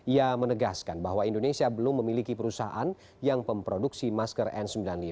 ia menegaskan bahwa indonesia belum memiliki perusahaan yang memproduksi masker n sembilan puluh lima